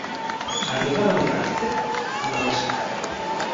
¿ Ha llegado mi paquete ? No lo sé .